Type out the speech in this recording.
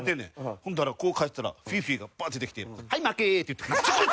ほんだらこう帰ってたらフィフィがバッて出てきて「はい負け」って言ってなんじゃこいつ！